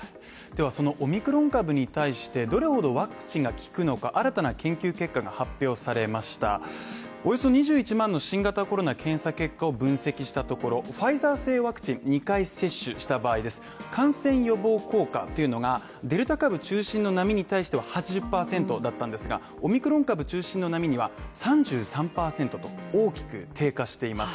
そのオミクロン株に対してどれほどワクチンが効くのか新たな研究結果が発表されましたが、およそ２１万の新型コロナ検査結果を分析したところ、ファイザー製ワクチン２回接種した場合感染予防効果というのがデルタ株中心の波に対しては８０％だったんですが、オミクロン株中心の波には３３％と大きく低下しています。